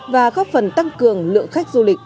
và góp phần tăng cường lượng khách du lịch